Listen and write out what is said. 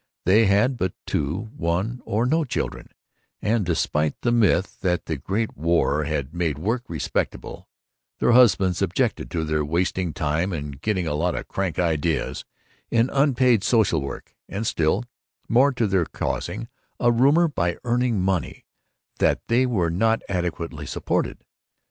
They had but two, one, or no children; and despite the myth that the Great War had made work respectable, their husbands objected to their "wasting time and getting a lot of crank ideas" in unpaid social work, and still more to their causing a rumor, by earning money, that they were not adequately supported.